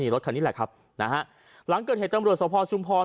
รถคนนี้แหละครับหลังเกิดเหตุอำรวจสะพรชุมพร